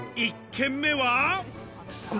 １軒目は。